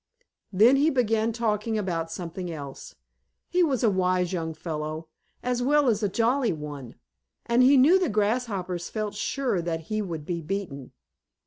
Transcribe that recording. Then he began talking about something else. He was a wise young fellow, as well as a jolly one, and he knew the Grasshoppers felt sure that he would be beaten.